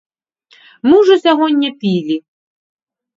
Мы ўжо сягоння пілі.